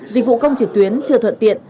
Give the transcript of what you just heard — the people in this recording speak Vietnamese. dịch vụ công trực tuyến chưa thuận tiện